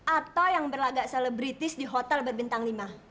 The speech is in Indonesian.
atau yang berlagak selebritis di hotel berbintang lima